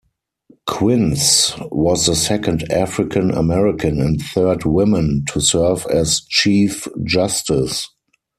Quince was the second African American and third woman to serve as Chief Justice.